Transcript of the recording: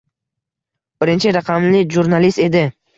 Birinchi raqamli jurnalist edi